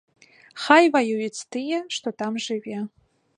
Хай ваююць тыя, што там жыве.